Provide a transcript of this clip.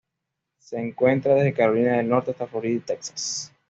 Se encuentra desde Carolina del Norte hasta Florida y Texas.